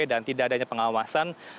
dan tidak adanya pengawasan